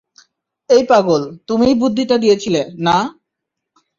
এই পাগল, তুমিই বুদ্ধিটা দিয়েছিলে, না?